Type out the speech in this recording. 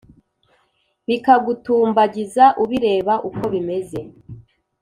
bikagutumbagiza ubireba uko bimeze